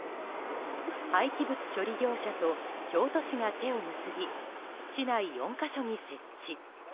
廃棄物処理業者と京都市が手を結び市内４か所に設置。